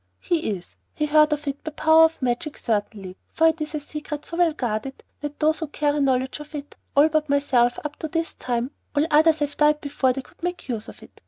"He is. He heard of it, by power of magic certainly, for it is a secret so well guarded that those who carry knowledge of it all but myself, up to this time all others have died before they could make use of it.